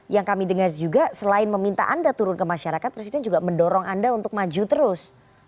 yang kami dengar juga selain meminta anda turun ke masyarakat presiden juga mendorong anda untuk maju terus